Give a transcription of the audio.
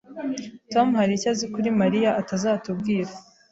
Tom hari icyo azi kuri Mariya atazatubwira